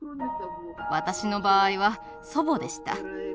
私の場合は祖母でした。